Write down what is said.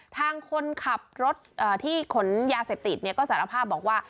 ทางคนขับรถที่ขนยาเสพติดก็สารภาพบอกว่า